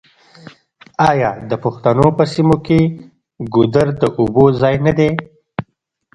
آیا د پښتنو په سیمو کې ګودر د اوبو ځای نه دی؟